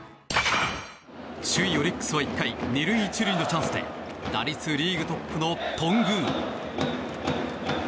首位オリックスは１回２塁１塁のチャンスで打率リーグトップの頓宮。